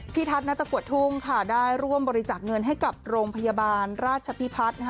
พี่ทัดนัตตะกัวธุ่งได้ร่วมบริจักษ์เงินให้กับโรงพยาบาลราชพิพัฒน์